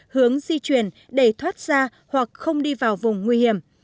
hướng di chuyển để thoát ra hoặc không đi vào vùng nguy hiểm